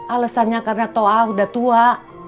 alasannya karena doa sudah tua